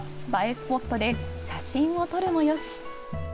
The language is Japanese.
スポットで写真を撮るもよし。